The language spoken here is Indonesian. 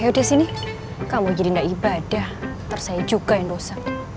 ayo di sini kamu jadi ndak ibadah ntar saya juga yang dosa